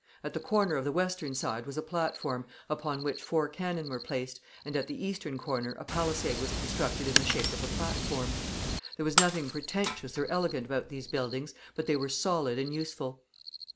At the corner of the western side was a platform, upon which four cannon were placed, and at the eastern corner a palisade was constructed in the shape of a platform. There was nothing pretentious or elegant about these buildings, but they were solid and useful.